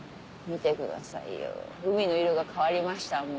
見てくださいよ海の色が変わりました。